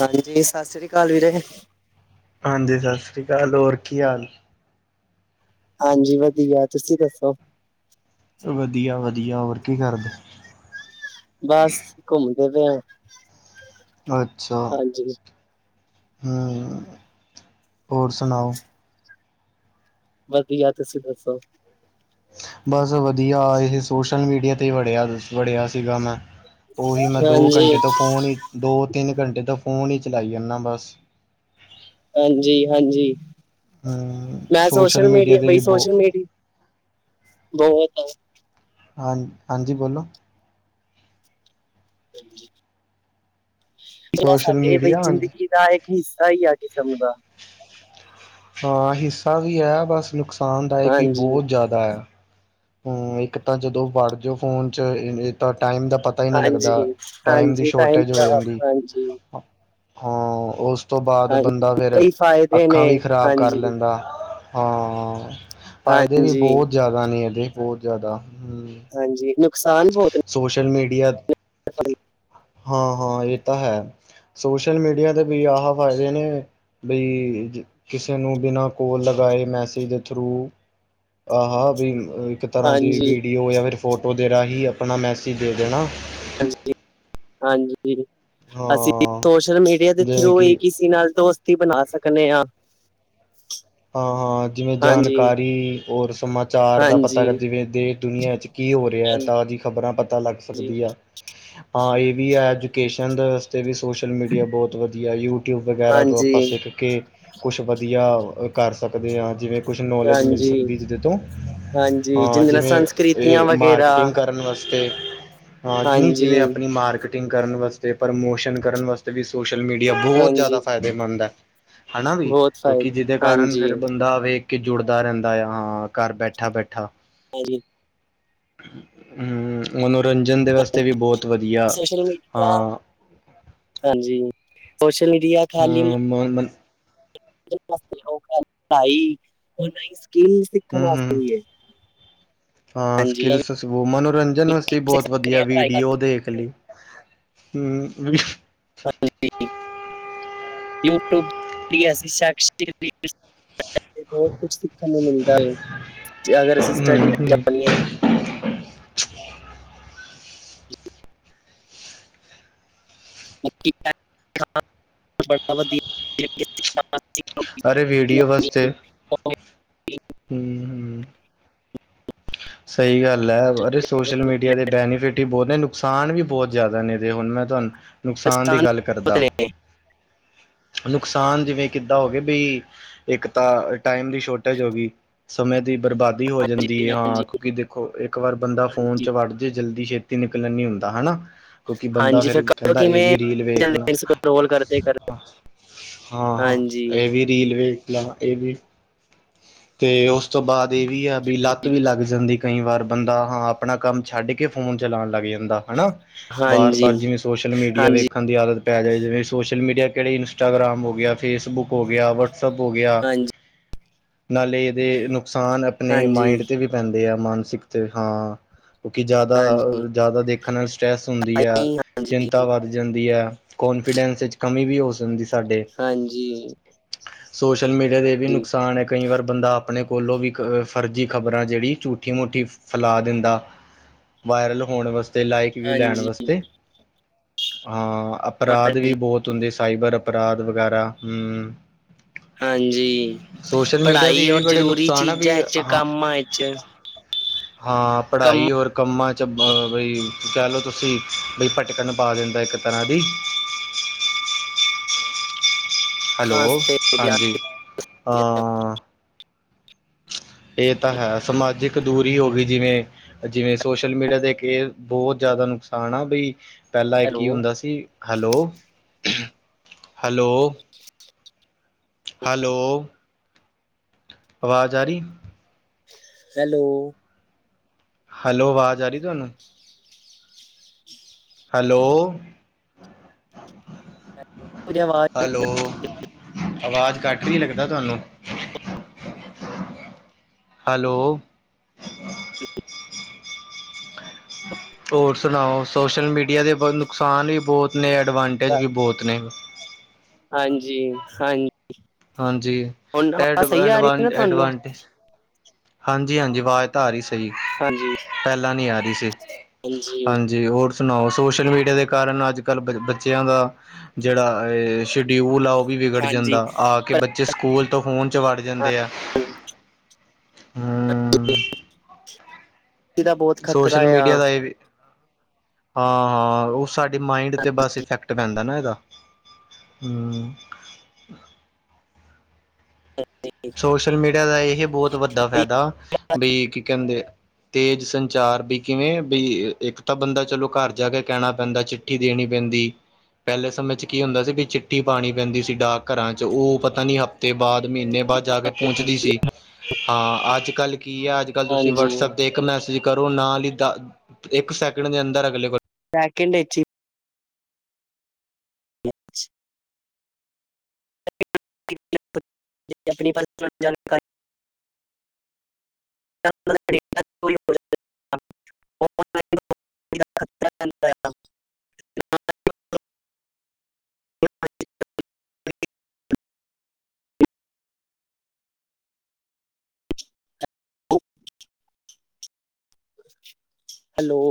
ਹਾਂਜੀ, ਸਤਿ ਸ੍ਰੀ ਅਕਾਲ ਵੀਰੇ। ਹਾਂਜੀ, ਸਤਿ ਸ਼੍ਰੀ ਅਕਾਲ ਹੋਰ ਕੀ ਹਾਲ। ਹਾਂਜੀ, ਵਧੀਆ ਤੁਸੀਂ ਦੱਸੋ। ਵਧੀਆ ਵਧੀਆ, ਹੋਰ ਕੀ ਕਰਦੇ। ਬਸ, ਘੁੰਮਦੇ ਪਏ ਆਂ। ਅੱਛਾ ਜੀ ਹਾਂ, ਹੋਰ ਸੁਣਾਓ ਵਧੀਆ, ਤੁਸੀਂ ਦੱਸੋ। ਬਸ ਔ ਵਧੀਆ, ਇਹ ਸੋਸ਼ਲ ਮੀਡੀਆ ਤੇ ਵੜਿਆ ਵੜਿਆ ਸੀਗਾ ਮੈਂ। ਉਹੀ ਮੈਂ ਦੋ ਹਾਂਜੀ ਘੰਟੇ ਤੋਂ ਫੋਨ ਹੀ, ਦੋ ਤਿੰਨ ਘੰਟੇ ਤਾਂ ਫੋਨ ਹੀ ਚਲਾਈ ਜਾਂਨਾ ਬਸ। ਹਾਂਜੀ ਹਾਂਜੀ, ਹੂੰ ਮੈਂ ਸੋਸ਼ਲ ਮੀਡੀਆ ਦੇ ਬਈ ਵੀ ਬਹੁ ਸੋਸ਼ਲ ਮੀਡੀਆ ਬਹੁਤ ਵੱਡਾ ਹੈ ਹਾਂ, ਹਾਂਜੀ ਬੋਲੋ ਹਾਂ [unintelligible] ਜਿਹੜਾ ਸੋਸ਼ਲ ਸਾਡੇ ਬਈ ਮੀਡੀਆ ਹਾਂਜੀ। ਜ਼ਿੰਦਗੀ ਦਾ, ਇੱਕ ਹਿੱਸਾ ਹੀ ਆ ਕਿਸਮ ਦਾ। ਹਾਂ ਹਿੱਸਾ ਵੀ ਹੈ, ਬਸ ਨੁਕਸਾਨਦਾਇਕ ਵੀ ਹਾਂਜੀ ਬਹੁਤ ਜ਼ਿਆਦਾ ਹੈ। ਹੂ, ਇੱਕ ਤਾਂ ਜਦੋਂ ਵੜ ਜਾਓ ਫੋਨ ਚ, ਤਾਂ ਟਾਈਮ ਦਾ ਪਤਾ ਪਤਾ ਹੀ ਨਹੀਂ ਲੱਗਦਾ, ਹਾਂਜੀ ਟਾਈਮ ਦੀ ਹਾਂਜੀ ਸ਼ੋਰਟੇਜ ਹੋ ਖਰਾਬ ਜਾਂਦੀ। ਹਾਂਜੀ ਹਾਂ ਉਸ ਤੋਂ ਬਾਅਦ, ਹਾਂਜੀ ਬੰਦਾ ਫਿਰ ਕਈ ਫਾਇਦੇ ਨੇ ਅੱਖਾਂ ਵੀ ਖ਼ਰਾਬ ਕਰ ਹਾਂਜੀ ਲੈਂਦਾ। ਹਾਂ ਫਾਇਦੇ ਵੀ ਹਾਂਜੀ ਬਹੁਤ ਜ਼ਿਆਦਾ ਨੇ ਇਹਦੇ, ਬਹੁਤ ਜ਼ਿਆਦਾ। ਹਾਂਜੀ, ਨੁਕਸਾਨ ਬਹੁਤ ਨੇ। ਸੋਸ਼ਲ ਮੀਡੀਆ [unintelligible] ਹਾਂ ਹਾਂ ਇਹ ਤਾਂ ਹੈ, ਸੋਸ਼ਲ ਮੀਡੀਆ ਦੇ ਵੀ ਆਹ ਫਾਇਦੇ ਨੇ। ਬਈ ਕਿਸੇ ਨੂੰ ਬਿਨਾਂ ਕੋਲ ਲਗਾਏ, ਮੈਸੇਜ ਦੇ ਥਰੂ ਆਹ ਵੀ ਇੱਕ ਨੇ ਤਰ੍ਹਾਂ ਦੀ ਹਾਂਜੀ ਵੀਡੀਓ ਜਾਂ ਫਿਰ ਫੋਟੋ ਦੇ ਰਾਹੀਂ, ਆਪਣਾ ਮੈਸੇਜ ਦੇ ਦੇਣਾ ਹ ਹਾਂਜੀ ਹਾਂਜੀ ਅਸੀਂ ਹਾਂ ਸੋਸ਼ਲ ਮੀਡੀਆ ਦੇ ਜਿਵੇਂ ਥਰੂ ਹੀ, ਕਿ ਕਿਸੀ ਨਾਲ ਦੋਸ ਕੀ ਬਣਾ ਸਕਨੇ ਆਂ। ਹਾਂ, ਹਾਂ ਜਿਵੇਂ ਜਾਨਕਾਰੀ ਓਰ ਸਮਾਚਾਰ ਦਾ ਪਤਾ ਹਾਂਜੀ, ਕਰ ਜਿਵੇਂ ਦੇ ਦੁਨੀਆਂ ਚ ਕੀ ਹੋ ਰੇਐ, ਹਾਂਜੀ, ਤਾਜੀ ਖ਼ਬਰਾਂ ਪਤਾ ਲੱਗ ਸਕਦੀ ਆਂ। ਹਾਂ ਏ ਬੀ ਐ ਐਜੂਕੇਸ਼ਨ ਤੇ ਵੀ ਸੋਸ਼ਲ ਮੀਡੀਆ ਬਹੁਤ ਵਧੀਆ, ਯੂਟਿਊਬ ਵਗੈਰਾ ਤੋਂ ਆਪਾਂ ਹਾਂਜੀ, ਸਿੱਖ ਕੇ ਕੁਛ ਵਧੀਆ ਕਰ ਸਕਦੇ ਹਾਂ, ਜਿਵੇਂ ਕੁਛ ਨੌਲੇਜ ਮਿਲ ਹਾਂਜੀ। ਸਕਦੀ ਜਿਹਦੇ ਤੋਂ, ਹਾਂਜੀ ਜਿਦੇ ਨਾਲ ਜਿਵੇਂ ਸੰਸਕ੍ਰਿਤੀਆਂ ਇਹ ਵਗੈਰਾ ਮਾਰਕੀਟਿੰਗ ਕਰਨ ਵਾਸਤੇ ਹਾਂ ਜਿਨੀ ਹਾਂਜੀ, ਜਿਵੇਂ ਆਪਣੀ ਮਾਰਕੀਟਿੰਗ ਕਰਨ ਵਾਸਤੇ, ਪ੍ਰਮੋਸ਼ਨ ਕਰਨ ਵਾਸਤੇ। ਵੀ ਸੋਸ਼ਲ ਮੀਡੀਆ ਬਹੁਤ ਹਾਂਜੀ। ਜ਼ਿਆਦਾ ਫਾਇਦੇਮੰਦ ਹੈ, ਹੈਨਾ ਵੀ, ਬਹੁਤ ਕਿਉਂਕਿ ਫਾਇਦੇ ਜਿਹਦੇ ਕਾਰਨ ਹਾਂਜੀ, ਫਿਰ ਬੰਦਾ ਵੇਖ ਕੇ ਜੁੜਦਾ ਰਹਿੰਦਾ ਆ, ਹਾਂ ਘਰ ਬੈਠਾ ਬੈਠਾ। ਹਾਂਜੀ [unintelligible] ਹੂ, ਮਨੋਰੰਜਨ ਦੇ ਵਾਸਤੇ ਵੀ ਬਹੁਤ ਵਧੀਆ ਸੋਸ਼ਲ ਮੀਡੀਆ ਹਾਂ। ਹਾਂਜੀ, ਸੋਸ਼ਲ ਮੀੜੀਆ ਹੂੰ [unintelligible] [unintelligible] ਸੑਕੀਲ ਸਿਖੱਨ ਵਾਸਤੇ ਹਮ ਵੀ ਏ। ਹਾਂ, ਹਾਂਜੀ ਸੑਕਿਲਸ ਮਨੋਰੰਜਨ ਵ ਵੂਮਨ ਮਨੋਰੰਜਨ ਬੋਤ ਵਦੀਆ ਵੀੜੀਓ ਦੇਖ ਲੀ। ਹੂੰ [unintelligible] ਬੋਤ ਕੁਛ ਸਿੱਖਨ ਨੂੰ ਮਿਲਦਾ ਏ, ਜੇ ਅਗਰ ਅਸੀਂ ਸਟੱੜੀ ਨਾਲ ਹਮ ਜਾਨੀ ਏ। [inaudible] [unintelligible] [unintelligible] ਅਰੇ ਵੀੜੀਓ ਹੁੰਦੀ ਵਾਸਤੇ ਹੈ, ਉਹ ਵੀ ਹੂੰ, ਹੂੰ। ਸਈ ਗੱਲ ਐ ਅਰੇ ਸੋਸ਼ਲ ਬਹੁਤ ਵਧੀਆ ਮੀੜੀਆ ਦੇ ਹੈ। ਬੈਨੀਫਿਟ ਵੀ ਬੋਤ ਨੇ, ਨੁਕਸਾਨ ਵੀ ਬੋਤ ਜੇ਼ਆਦਾ ਨੇ ਜੇ ਹੁਨ ਮੈਂ ਤੁਆਨ ਨੁਕਸਾਨ ਦੀ ਗੱਲ ਬਹੁਤ ਕਰਦਾ, ਨੇ ਨੁਕਸਾਨ ਜਿਵੇਂ ਕਿ [unintelligible] ਇੱਕ ਤਾਂ ਟਾਈਮ ਦੀ ਸ਼ੋਟੇਜ ਹੋ ਗਈ, ਸਮੇਂ ਦੀ ਬਰਬਾਦੀ [unintelligible] ਹਾਂਜੀ ਹਾਂ ਹਾਂਜੀ ਕੂਕਿ ਦੇ ਵੇਖੋ ਏਕ ਵਾਰ ਬੰਦਾ ਫੋਨ ਹਾਂਜੀ ਚ ਵੱੜ ਜੇ, ਜਲਦੀ ਛੇਤੀ ਨਿਕਲਣ ਨੀ ਹੁੰਦਾ ਹਨਾ। ਕੋਕਿ ਬੰਦਾ ਹਾਂਜੀ ਫੇਰ ਫਿਰ ਕਰੋ ਕੈਂਦਾ, ਏ ਕਿਵੇਂ ਵੀ ਰੀਲ ਵੇਖ ਲੋ ਜਲਦੀ ਇਸ ਰੋਲ ਕਰਦੇ ਕਰ ਹਾਂ, ਆ ਹਾਂਜੀ ਏ ਵੀ ਰੀਲ ਵੇਖ ਲਾਂ ਏ ਵੀ ਤੇ ਓਸ ਤੋਂ ਬਾਦ ਏ ਵੀ ਆ, ਵੀ ਲੱਤ ਜੀ ਵੀ ਲੱਗ ਜਾਂਦੀ ਕਈ ਵਾਰ ਬੰਦਾ ਹਾਂ, ਆਪਣਾ ਕੰਮ ਛੱਡ ਕੇ ਫੋਨ ਚਲਾਨ ਲੱਗ ਜਾਂਦਾ। ਹਣਾ ਬਾਰ, ਹਾਂਜੀ ਬਾਰ ਜਿਵੇਂ ਸੋਸ਼ਲ ਮੀੜੀਆ ਹਾਂਜੀ ਵੇਖ ਦੀ ਆਦਤ ਪੈ ਜਾਵੇ ਜਿਵੇਂ, ਸੋਸ਼ਲ ਮੀੜੀਆ ਕੇੜੇ ਇੰਸਟਾਗ੍ਰਾਮ ਹੋ ਗੇਆ, ਫੇਸਬੁੱਕ ਹੋ ਗੇਆ, ਵਟਸੱਪ ਹੋ ਗੇਆ ਹਾਂਜੀ ਹਾਂਜੀ ਨਾਲੇ ਏਦੇ ਨੁਕਸਾਨ ਆਪਨੇ ਮਾਇੰਡ ਤੇ ਹਾਂਜੀ ਵੀ ਪੈਂਦੇ ਆ, ਮਾਨਸਿਕ ਤੇ ਹਾਂ ਕੋਕਿ ਜਾਦਾ, ਅ ਹਾਂਜੀ ਜਾਦਾ ਦੇਖਨ ਨਾਲ ਸ੍ਰੈਟਸ ਹੁੰਦੀ ਆ। ਹਾਂਜੀ ਚਿੰਤਾ ਵੱਦ ਜਾਂਦੀ ਆ ਕੋਂਨਫੀੜੈਸ ਚ ਕਮੀ ਵੀ ਹੋ [unintelligible] ਹਾਂਜੀ‌। ਸੋਸ਼ਲ ਮੀੜੀਆ ਦੇ ਏ ਵੀ ਨੁਕਸਾਨ ਐ, ਕਈ ਵਾਰ ਬੰਦਾ ਆਪਣੇ ਕੋਲੋਂ ਵੀ ਅ, ਫਰਜੀ ਖ਼ਬਰਾਂ ਜੇੜੀ ਝੂਠੀ- ਮੂਠੀ ਫਲਾ ਦਿੰਦਾ। ਵਾਏਰਲ ਹੋਣ ਵਾਸਤੇ ਤੇ ਲਾਇਕ ਵਿਊ ਲੈਣ ਹਾਂਜੀ ਵਾਸਤੇ, ਹਾਂ ਅਪਰਾਧ ਵੀ ਬੋਤ [unintelligible] ਸਾਈਬਰ ਅਪਰਾਦ ਵਗੈਰਾ ਹੂੰ ਹਾਂਜੀ, ਸੋਸ਼ਲ ਮੀਡੀਆ ਦੇ ਪੜਾਈ ਇਹ ਵੀ ਓਰ ਬੜੇ ਜਰੂਰੀ ਨੁਕਸਾਨ ਆ ਚੀਜ਼ਾਂ ਵੀ ਇਚ ਹਾਂ ਕਾੰਮਾ ਇਚ। ਹਾਂ, ਪੜਾਈ ਓਰ ਕੰਮਾਂ ਚ ਬ ਵਈ ਕੈ ਲੋ ਤੁਸੀਂ ਵੀ, ਭਟਕਨ ਪਾ ਦਿੰਦਾ ਏਕ ਤਰਾ ਦੀ ਖਾਸ ਹੈਲੋ, ਤੇ ਹੋ ਗਿਆ ਹੋ ਹਾਂਜੀ, ਗਿਆ। ਹਾਂ। ਏ ਤਾਂ ਹੈ ਸਮਾਜਿਕ ਦੂਰੀ ਹੋ ਗੀ ਜਿਵੇਂ ਜਿਵੇਂ ਸੋਸ਼ਲ ਮੀੜੀਆ ਦੇ ਏਕ ਏ, ਬੋਤ ਜਾਦਾ ਨੁਕਸਾਨ ਆ ਬਈ ਪੈਲਾਂ ਏ ਹੈਲੋ ਕੀ ਹੁੰਦਾ ਸੀ, ਹੈਲੋ, ਹੈਲੋ ਹਾਲੋ ਆਵਾਜ ਆ ਰੀ? ਹੈਲੋ ਹੈਲੋ ਵਾਜ ਆ ਰੀ ਤੁਹਾਨੂੰ? ਹੈਲੋ, ਮੇਰੀ ਆਵਾਜ਼ ਹੈਲੋ ਅਵਾਜ ਘੱਟ ਰੀ ਲੱਗਦਾ ਤੁਹਾਨੂੰ? ਹੈਲੋ ਹੋਰ ਸੁਣਾਓ ਸੋਸ਼ਲ ਮੀਡੀਆ ਦੇ ਬੋ ਨੁਕਸਾਨ ਵੀ ਬਹੁਤ ਨੇ ਐਡਵਾਂਟੇਜ ਵੀ ਬਹੁਤ ਨੇ। ਹਾਂਜੀ-ਹਾਂਜੀ, ਹਾਂਜੀ ਹੁਣ ਐਡ ਆਵਾਜ਼ ਸਹੀ ਆ ਐਡਵਾਂ ਰਹੀ ਆ ਨਾ ਤੁਹਾਨੂੰ? ਹਾਂਜੀ-ਹਾਂਜੀ ਆਵਾਜ਼ ਤਾਂ ਆ ਰਹੀ ਸਹੀ ਹਾਂਜੀ ਪਹਿਲਾਂ ਨਹੀਂ ਆ ਰਹੀ ਸੀ, ਹਾਂਜੀ ਹਾਂਜ ਜੀ ਹੋਰ ਸੁਣਾਓ ਸੋਸ਼ਲ ਮੀਡੀਆ ਦੇ ਕਾਰਨ ਅੱਜ ਕੱਲ੍ਹ ਬ ਬੱਚਿਆਂ ਦਾ ਜਿਹੜਾ ਇਹ ਸ਼ਡਿਊਲ ਆ ਉਹ ਵੀ ਵਿਗੜ ਹਾਂਜੀ ਜਾਂਦਾ ਆ ਕੇ ਬੱਚੇ ਸਕੂਲ ਤੋਂ ਫੋਨ ਚ ਵੜ ਜਾਂਦੇ ਆ, [inaudible] ਹਾਂ ਹਾਂਜੀ ਦਾ ਬਹੁਤ ਖ਼ਤਰਾ ਸੋਸ਼ਲ ਆ ਮੀਡੀਆ ਦਾ ਵੀ ਹਾਂ ਹਾਂ, ਉਹ ਸਾਡੇ ਮਾਇੰਡ ਤੇ ਬਸ ਇਫੈਕਟ ਪੈਂਦਾ ਨਾ ਇਹਦਾ ਹਮ ਸੋਸ਼ਲ ਮੀਡੀਆ ਦਾ ਇਹ ਬਹੁਤ ਵੱਡਾ ਫਾਇਦਾ ਬਈ ਕੀ ਕਹਿੰਦੇ ਤੇਜ ਸੰਚਾਰ ਵੀ ਕਿਵੇਂ ਬਈ ਇੱਕ ਤਾਂ ਬੰਦਾ ਚਲੋ ਘਰ ਜਾ ਕੇ ਕਹਿਣਾ ਪੈਂਦਾ ਚਿੱ ਚਿੱਠੀ ਦੇਣੀ ਪੈਂਦੀ, ਪਹਿਲੇ ਸਮੇਂ ਚ ਕੀ ਹੁੰਦਾ ਸੀ ਵੀ ਚਿੱਠੀ ਪਾਉਣੀ ਪੈਂਦੀ ਸੀ ਡਾਕ ਘਰਾਂ ਚ ਉਹ ਪਤਾ ਨੀ ਹਫ਼ਤੇ ਬਾਅਦ, ਮਹੀਨੇ ਬਾਅਦ ਜਾ ਕੇ ਪਹੁੰਚਦੀ ਸੀ। ਹਾਂ ਅੱਜ-ਕੱਲ ਕੀ ਆ, ਅੱਜ ਕੱਲ ਤੁਸੀਂ ਹਾਂਜੀ ਵਟਸਐਪ ਦੇਖ ਮੈਸੇਜ ਕਰੋ ਨਾਲ ਈ ਦ, ਇੱਕ ਸੈਕਿੰਡ ਦੇ ਅੰਦਰ ਅਗਲੇ ਕੋਲ ਪੈਕਿੰਗ ਵਿਚ ਈ [inaudible] ਆਪਣੇ ਬਾਰੇ ਜਾਣਕਾਰੀ [inaudible] [inaudible] [inaudible] [inaudible] ਹੈਲੋ।